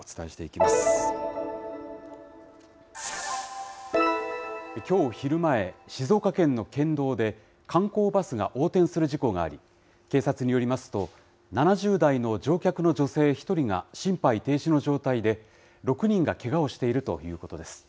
きょう昼前、静岡県の県道で、観光バスが横転する事故があり、警察によりますと、７０代の乗客の女性１人が心肺停止の状態で、６人がけがをしているということです。